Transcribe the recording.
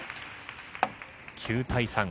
９対３。